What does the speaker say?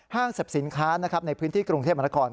ห้างเสพสินค้านะครับในพื้นที่กรุงเทพมนคร